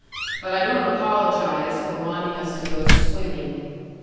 But I don't apologize for wanting us to go swimming.